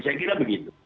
saya kira begitu